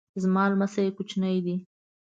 زما لمسی کوچنی دی